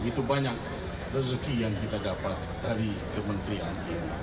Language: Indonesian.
begitu banyak rezeki yang kita dapat dari kementerian ini